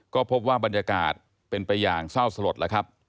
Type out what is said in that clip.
ก็พบว่าบรรยากาศเป็นไปอย่างเศร้าสลดแล้วครับ